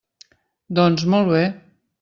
Doncs, molt bé.